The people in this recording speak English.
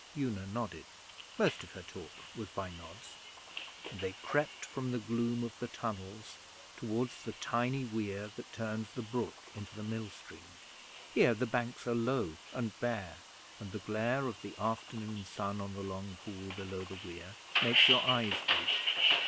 Una nodded most of her talk was by nods and they crept from the gloom of the tunnels towards the tiny weir that turns the brook into the mill stream. Here the banks are low and bare, and the glare of the afternoon sun on the Long Pool below the weir makes your eyes ache.